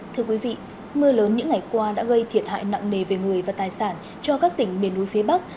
thưa quý vị mưa lớn những ngày qua đã gây thiệt hại nặng nề về người và tài sản cho các tỉnh miền núi phía bắc